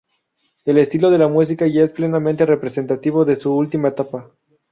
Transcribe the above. El estilo de la música ya es plenamente representativo de su última etapa.